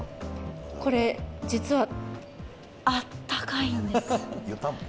これ実は、あったかいんです。